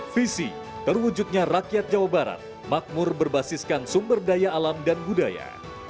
visi terwujudnya rakyat jawa barat makmur berbasiskan sumber daya alam dan budaya